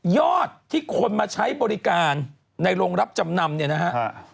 ยอดที่คนมาใช้บริการในโรงรับจำนำเนี่ยนะฮะ